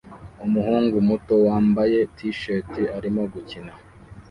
Umuhungu muto wambaye t-shirt arimo gukina